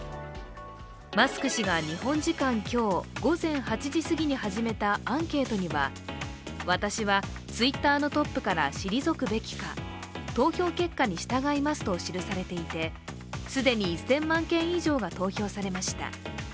マスク氏は日本時間の今日、午前８時過ぎに始めたアンケートには、私はＴｗｉｔｔｅｒのトップから退くべきか、投票結果に従いますと記されていて既に１０００万件以上が投票されました。